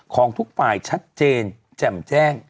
ของทุกฝ่ายชัดเจนแจ่มแจ้ง